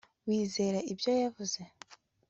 Wizera ibyo yavuze